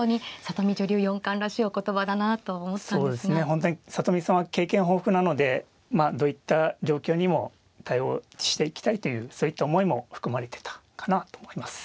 本当に里見さんは経験豊富なのでまあどういった状況にも対応していきたいというそういった思いも含まれてたかなと思います。